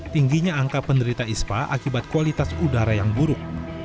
tingginya angka penderita ispa akibat kualitas udara yang buruk